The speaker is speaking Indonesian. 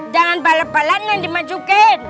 jangan bala balanan dimasukin